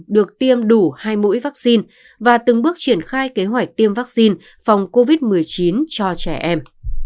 được tiêm đủ hai mũi vaccine và từng bước triển khai kế hoạch tiêm vaccine phòng covid một mươi chín cho trẻ em